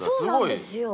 そうなんですよ。